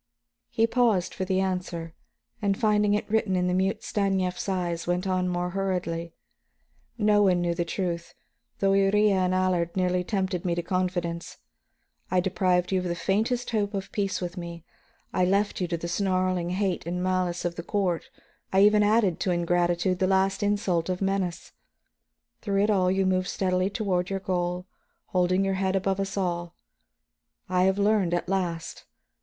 He paused for the answer, and finding it written in the mute Stanief's eyes, went on more hurriedly. "No one knew the truth, although Iría and Allard nearly tempted me to confidence. I deprived you of the faintest hope of peace with me, I left you to the snarling hate and malice of the court; I even added to ingratitude the last insult of menace. Through it all you moved steadily toward your goal, holding your head above us all. I have learned, at last.